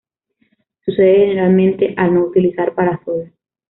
Sucede generalmente al no utilizar parasol.